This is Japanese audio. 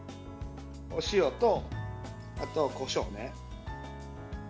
お塩と、あと、こしょうね。